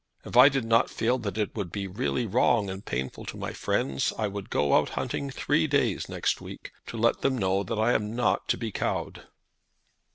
If I did not feel that it would be really wrong and painful to my friends I would go out hunting three days next week, to let them know that I am not to be cowed."